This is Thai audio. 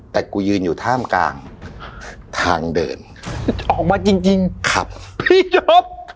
แต่กูยืนอยู่ท่ามกลางทางเดินออกมาจริงจริงขับพี่จบ